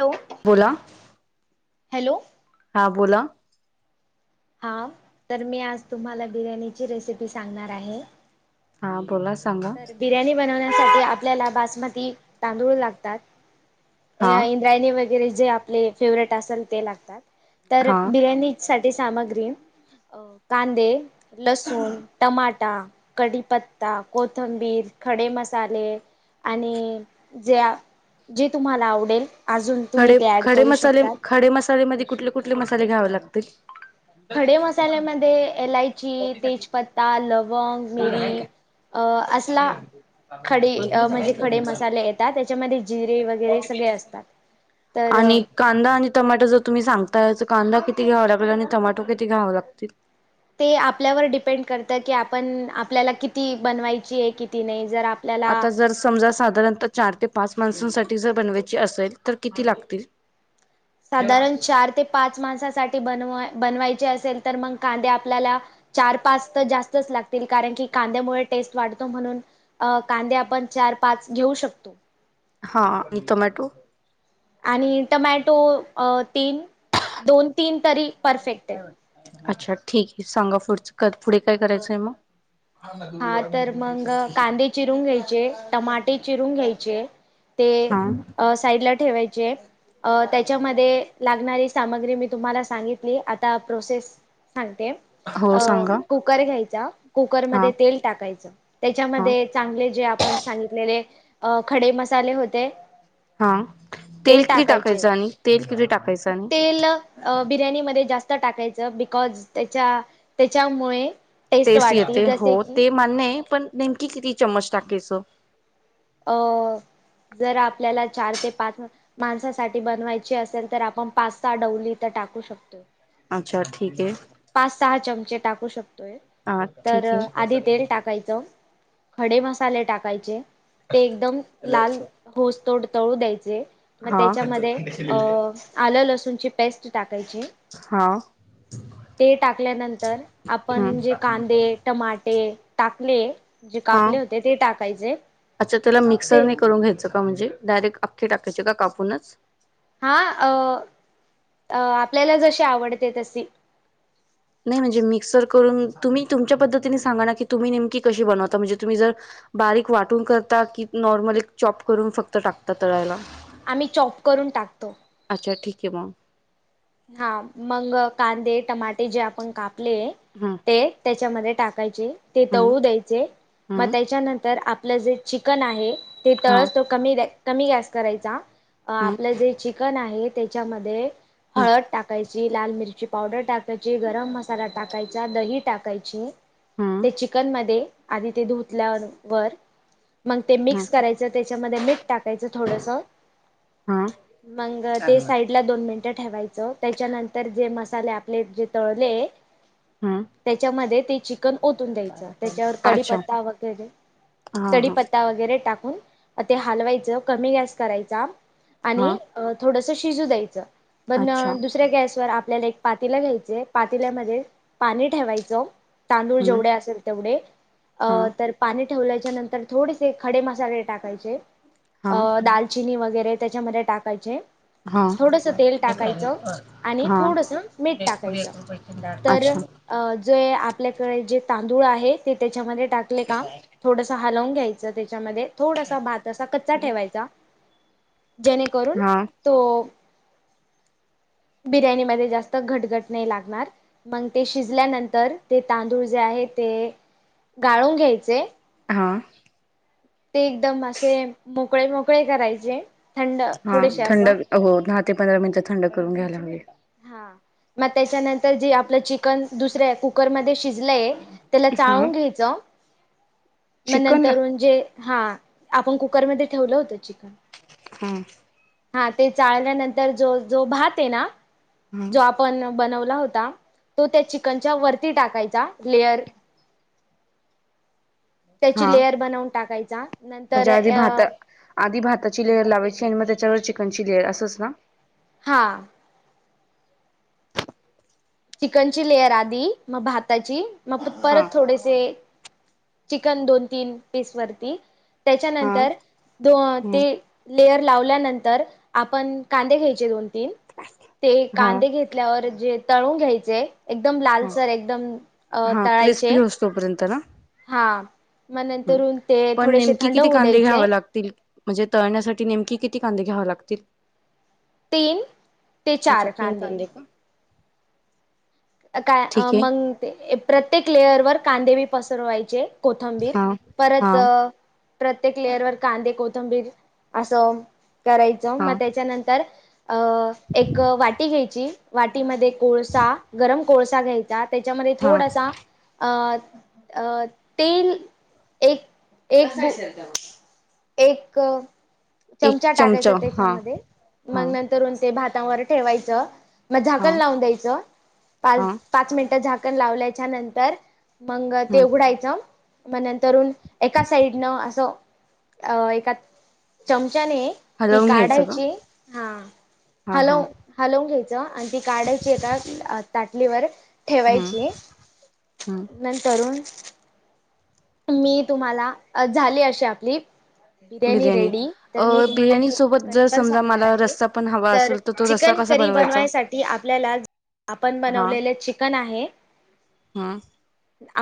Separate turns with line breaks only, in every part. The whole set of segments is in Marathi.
हॅलो.
बोला.
हॅलो.
हा बोला.
हा तर मी आज तुम्हाला बिर्याणीची रेसिपी सांगणार आहे.
हा बोला सांगा.
तर बिर्याणी बनवण्यासाठी आपल्याला बासमती तांदूळ लागतात.
हा
बिरणी वगैरे जे आपले फेवरेट असल ते लागतात तर
हा
बिर्याणी साठी सामग्री अ कांदे, लसूण, टमाटा, कढीपत्ता कोथंबीर, खडेमसाले आणि जे जे तुम्हाला आवडेल. अजून तुम्ही
खडे
ते ऍड
खडे
करू
मसाले
शकतात.
खडे मसालेमध्ये कुठले कुठले मसाले घ्यावे लागत.
खडे मसाल्यामध्ये एलायची तेजपत्ता लवंग मिरी. अ असला खडे म्हणजे खडे मसाले येतात त्याच्यामध्ये जिरे वगैरे सगळे असतात. तर
आणि कांदा आणि टमाटो जर तुम्ही सांगताय तर कांदा किती घ्यावा लागेल आणि टमाटो किती घ्याव लागतील.
ते आपल्यावर डिपेंड करत की आपण आपल्याला किती बनवायची आहे किती नाही जर आप
आता जर समजा साधारणतः चार ते पाच माणसांसाठी जर बनवायची असेल तर किती लागतील.
साधारण चार ते पाच मासासाठी बनवा बनवायचे असेल तर मग कांदे आपल्याला चार पाच तर जास्तच लागतील कारण की कांद्यामुळे टेस्ट वाढतो म्हणून अ कांदे आपण चार पाच घेऊ शकतो
हा आणि टोमॅटो
आणि टमॅटो तीन दोन तीन तरी परफेक्ट आहे.
अच्छा ठीक आहे सांगा पुढ पुढे काय करायचंय मग हा
तर
नाु
मग
संस्कृती
कांदे चिरून घ्यायचे टमाटे चिरून घ्यायचे ते
हा
साइड ला ठेवायचे अ त्याच्यामध्ये लागणारी सामग्री मी तुम्हाला सांगितली आता प्रोसेस सांगते
हो
अ
सांगा
कुकर घ्यायचा
हा
कुकरमध्ये तेल टाकायचं
हा
त्याच्यामध्ये चांगले जे आपण सांगितलेले खडे मसाले होते
हा तेल
ते
किती
टाकायचे
टाकायचं आणि तेल किती टाकायचां आणि
तेल अ बिर्याणीमध्ये जास्त टाकायचं बिकॉज त्याच्या त्याच्यामुळे टेस्ट वाढती
येते हो
जसे की
ते मान्य पण नेमकी किती चमच टाकायच
अ जरा आपल्याला चार ते पाच माणसासाठी बनवायची असेल तर आपण पास्ता डवली तर टाकू शकतो
अच्छा ठीक आहे
पाच सहा चमचे टाकू शकतोय
हा
तर
ठीक
आधी
आहे
तेल टाकायचं खडे मसाले टाकायचे ते एकदम लाल होस तोडतळू द्यायचे मग
हा
त्याच्यामध्ये अ आलं लसूणची पेस्ट टाकायचे
हा
ते टाकल्यानंतर आपण जे
हम्म
कांदे टमाटे टाकले जे
हा
कापले होते ते टाकायचे
अच्छा त्याला
ते
मिक्सरने करून घ्यायचं का म्हणजे डायरेक्ट अख्खे टाकायचे कापूनच
हा अ आपल्याला जशी आवडते तशी
नाही म्हणजे मिक्सर करून तुम्ही तुमच्या पद्धतीने सांगा ना की तुम्ही नेमकी कशी बनवता म्हणजे तुम्ही जर बारीक वाटून करता की नॉर्मल एक चॉप करून फक्त टाकता तळायला
आम्ही चॉफ करून टाकतो
अच्छा ठीक आहे म
हा मग कांदे टमाटे जे आपण कापले
हा
ते त्याच्यामध्ये टाकायचे ते तळू द्यायचे मग
हम्म
त्याच्यानंतर आपलं जे चिकन आहे ते
हा
तळस तो कमी कमी गॅस करायचा
हम्म हम्म
आपलं जे चिकन आहे त्याच्यामध्ये हळद टाक टाकायची लाल मिरची पावडर टाकायची गरम मसाला टाकायचा दही टाकायची
हम्म
ते चिकन मध्ये आधी ते धुतल्या वर मग ते
हम्म
मिक्स करायचं त्याच्यामध्ये मीठ टाकायचं थोडस
हा
मग ते साईड दोन मिनिटं ठेवायचं त्याच्यानंतर जे मसाले आपले जे तळले
हम्म
त्याच्यामध्ये ते चिकन ओतून द्यायचं त्याच्यावर
अच्छा
कडीीपत्ता वगैरे
हा
कडीी
हा
पत्ता वगैरे टाकून ते हलवायचं कमी गॅस करायचा
हा
आणि थोडस शिजू द्यायचं पण
अच्छा
दुसऱ्या गॅसवरर आपल्याला एक पातीला घ्यायचे पातील्यामध्ये पाणी ठेवायचं तांदूळ
हम्म
जेवढे असेल तेवढे अ
हा
तर पाणी ठेवल्याच्या नंतर थोडेसे खडे मसाले टाकायचे
हा
अ दाल वरे त्याच्या टाका
हा
थोड ते टा टाकायच आणि
हा
थोडस मीठ टाकायचं तर
अच्छा
अ जे आपल्याकडे जे तांदूळ आहे ते त्याच्यामध्ये टाकले काम थोडस हलवून घ्यायचं त्याच्यामध्ये थोडसा भात असा कच्चा ठेवायचा जेणे करून
हा
तो बिर्याणीमध्ये जास्त घटघट नाही लागणार. मग ते शिजल्यानंतर ते तांदूळ जे आहे ते गाळून घ्यायचे,
हां.
ते एकदम असे मोकळे मोकळे करायचे थंड
हा
थोडेसे
थंड,
असं
हो दहा ते पंधरा मिनिट थंड करून घ्यायला हवे
हा, मग त्याच्यानंतर जे आपलं चिकन दुसऱ्या कुकरमध्ये शिजलंय त्याला
हा
चाळून घ्यायचं मग
चिकनला
नंतरून जे हा आपण कुकरमध्ये ठेवलं होतं चिकन
हम,
हा ते चाळल्यानंतर जो जो भात हे ना
हा
जो आपण बनवला होता तो त्या चिकनच्या वरती टाकायचा लेयर
हा
त्याची लेयर बनवून टाकायचा नंतर
म्हणजे आधी
अ
भाता आधी भाताची लेअर लावायची आणि मग त्याच्यावर चिकनची लेअर असंच ना?
हां. चिकन ची लेयर आधी मग भाताची मग
हा
परत थोडेसे चिकन दोन तीन पीस वरती
हा
त्याच्यानंतर दो
हा
ते लेयर लावल्यानंतर आपण कांदे घ्यायचे दोन तीन ते
हा
कांदे घेत घेतल्यावर जे तळून घ्यायचे एकदम
हा
लालसर एकदम अ
हा
तळायचे
क्रिस्पी होस तोपर्यंत
हा. मग
ना
नंतरून ते
पण
थोडेसे
नेमकी
थंड
किती
होऊ
कांदे
द्यायचे.
घ्यावे लागतील म्हणजे तळण्यासाठी नेमकी किती कांदे घ्यावा लागतील?
तीन ते
अच्छा
चार
तीन
कांदे,
का?
काय
ठीक आहे
मग ते प्रत्येक लेअर वर कांदे ब पसरवायचे कोथंबीर
हा हा
परत प्रत्येक लेअर वर कांदे कोथंबीर असं करायचं
हा
मग त्याच्यानंतर अ एक वाटी घ्यायची वाटीमध्ये कोळसा गरम कोळसा घ्यायची त्याच्यामध्ये
हा
थोडासा अ अ ते [unintelligible] एक एक एक
एक
चमचा टाकायचा
हा
त्याच्यामध्ये
हा
मग नंत करून ते भातावर ठेवायचं मग
हा
झाकण लावून द्यायचं, पाच
हा
पाच मिनिटं झाकण लावल्याच्या नंतर मग ते
हम्म
उघडायचं, म नंतरुन एका साईडन असं अ एका चमचाने ती
हलवून घ्यायचं का?
काढायची हा
हा
हॅलो
हा
[unintelligible] हालवून घ्यायचं आणि ती काढायची एका ताटलीवर
हम्म
ठेवायची
हम्म
नंतरून मी तुम्हाला झाली अशी आपली, बिर्याणी रेडी,
अ
तर मी तुम्हाला
बिर्याणी
चिकन
सोबत
करी
जर
पण
समजा
सांगणार
मला
आहे.
रस्सा पण हवा
तर
असेल तो रस्सा
चिकन
कसा
करी
बनवायचा?
बनवायसाठी आपल्याला आपण
हा
बनवलेले चिकन आहे.
हा.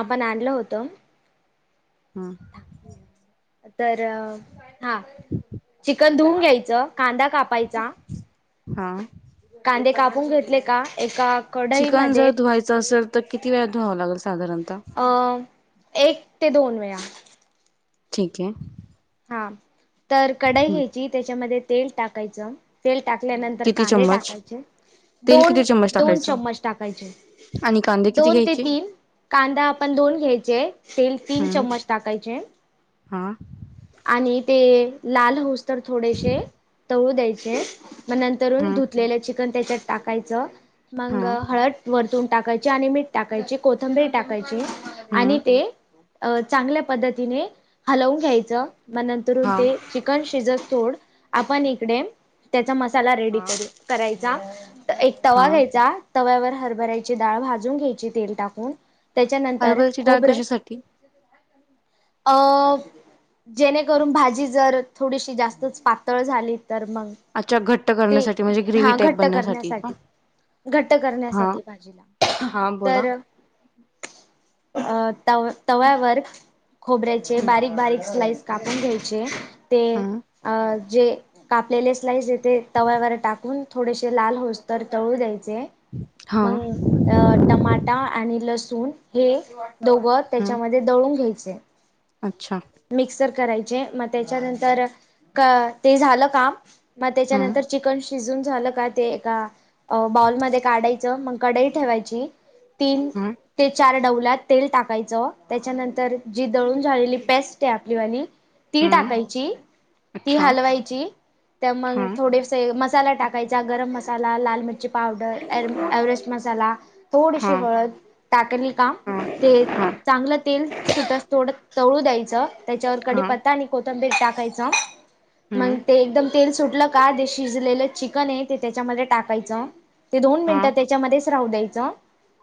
आपण आणल होत.
हम.
तर हा, चिकन धुवुन घ्यायचं कांदा काप
हा [unintelligible]
कांदे कापून घेतले का एका
चिकन जर
कढईमध्ये
धुवायचं असेल तर किती वेळात धुवावं लागेल साधारणतः
अ एक ते दोन वेळा,
ठीक आहे
हा तर कढाई
हम्म
घ्यायची त्याच्यामध्ये तेल टाकायचं तेल टाकल्यानंतर
किती
कांदे
चम्मच
टाकायचे
तेल
दोन
किती चम्मच
दोन
टाकायचं?
चम्मच टाकायचे
आणि कांदे किती
दोन ते
घ्यायचे?
तीन कांदा आपण दोन घ्यायचे तेल तीन
हम्म
चम्मच टाकायचे
हा
आणि ते लाल होऊस तर थोडेसे तळू द्यायचे मग नंतर
हम्म
धु घलेलं चिकन त्याच्यात टाकायचं
हा
मग हळद वरतून टाकायची आणि मीठ टाकायचे कोथंबरी टाकायची
हम्म
आणि ते अ चांगल्या पद्धतीने हलवून घ्यायचं मग नंतरून
हा
ते चिकन शिजत तोड आपण इकडे त्याचा मसाला रेडी
हा
करू करायचा एक
हा
तवा घ्यायचा तव्यावर हरभरायची डाळ भाजून घ्यायची तेल टाकून त्याच्यानंतर
हरभऱ्याची डाळ
खोबरं
कशासाठी?
अ जेणेकरून भाजी जर थोडीशी जास्तच पातळ झाली तर मग
अच्छा घट्ट
ते
करण्यासाठी म्हणजे ग्रेव्ही
हा
टाईप
घट्ट
बनण्यासाठी का
करण्यासाठी घट्ट
हा
करण्यासाठी भाजीला
हा बोला.
तर अ तव्यावर खोबऱ्याचे
हम्म
बारीक बारीक स्लाइस कापून घ्यायचे ते
हम्म
अ जे कापलेले स्लाईस येते तव्यावर टाकून थोडेसे लाल होऊस तर तळू द्यायचे
हा
मग टमाटा आणि लसूण हे दोघं
हम्म
त्याच्यामध्ये तळून घ्याव्यात
अच्छा
मिक्सरमध्ये करा म त्याच्या झा का मग
हम्म
त्याच्यानंतर चिकन शिजून झालं का ते एका बालमध्ये काढायच मग कडई ठेवायची तीन
हम्म
ते चार डवल्यात तेल टाकायचं त्याच्यानंतर जी दळून झालेली पॅस्ट आहे आपली वाली ती
हम्म
टाकायची ती
अच्छा
हलवायची त्या
हा
मग थोडे मसाला टाकायचा गरम मसाला लाल मि पावडर एव्हरेस्ट मसाला
हा
थोडीशी हळद टाकली काम
हा
ते
हा
चांगलं तेल सुटत थोडं तळू द्यायचं त्याच्यावर
हा
कडीपत्ता आणि कोथंबीर टाकायचं मग
हम्म
ते एकदम तेल सुटलं शिजलेलं चिकन आहे ते त्याच्यामध्ये टाकायच ते दोन
हा
मिनट त्या राहू द्यायच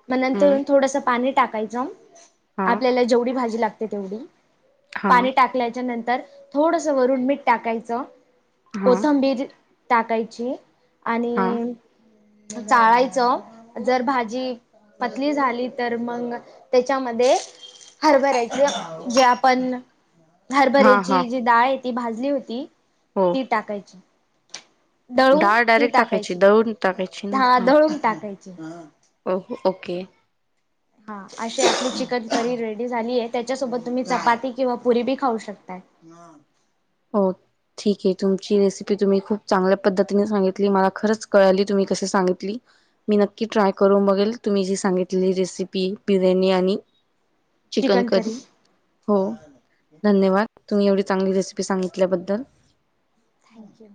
मग नंतर
हम्म
थोडस पाणी टाकायच
हा
आपल्याला जेवढी भाजी लागते तेवढी
हा
पाणी टाक नंतर थोडस वरून मीठ टाकायचं
हा
कोथंबीर टाकायची
हा
आणि चाळायचं जर भाजी पतली झाली तर मग त्याच्यामध्ये हरभरायची जे आपण
हा हा
हरभऱ्याची जी डाळ आहे ती भाजली होती
हो
ती टाकायची दळून
डाळ
ती
डायरेक्ट
टाकायची
दळून टाकायची ना
हा दळून टाकायची
ओ ओके
हा अशी आपली चिकन करी रेडी झाली आहे त्याच्यासोबत तुम्ही चपाती किंवा पुरी बी खाऊ शकताय ह
होके ठीक आहे तुमची रेसिपी तुम्ही खूप चांगल्या पद्धतीने सांगितली मला खरच कळाली तुम्ही कसे सांगितली. मी नक्की ट्राय करून बघेल तुम्ही जी सांगितलेली रेसिपी बिर्याणी आणि चिकन करी हो धन्यवाद. तुम्ही एवढी चांग रेसिपी सांगितल्याबद्दल
थँक्यू